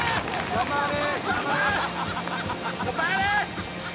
頑張れ！